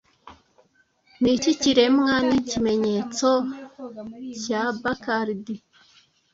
Niki kiremwa nikimenyetso cya Bacardi